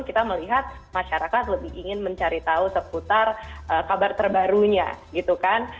kita melihat masyarakat lebih ingin mencari tahu seputar kabar terbarunya gitu kan